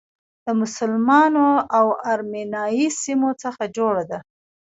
د مسلمانو او ارمنیایي سیمو څخه جوړه ده.